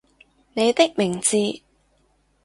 你的名字